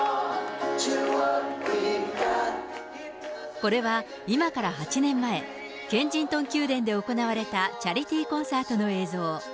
これは、今から８年前、ケンジントン宮殿で行われたチャリティーコンサートの映像。